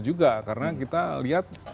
juga karena kita lihat